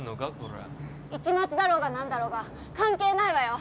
市松だろうが何だろうが関係ないわよ。